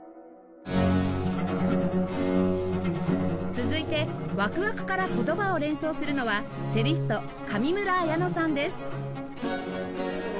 続いて「ワクワク」から言葉を連想するのはチェリスト上村文乃さんです